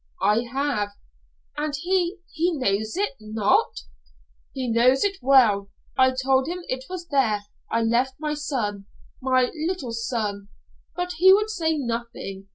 "I have." "And he he knows it? Not?" "He knows it well. I told him it was there I left my son my little son but he would say nothing.